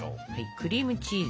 クリームチーズ。